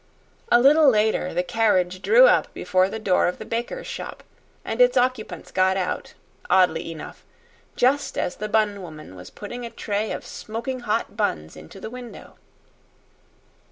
A little later the carriage drew up before the door of the baker's shop, and its occupants got out, oddly enough, just as the bun woman was putting a tray of smoking hot buns into the window.